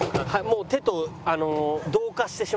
もう手と。